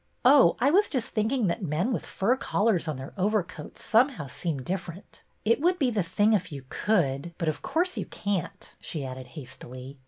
Oh, I was just thinking that men with fur collars on their overcoats somehow seem differ ent. It would be the thing if you could, but of course you can't," she added hastily.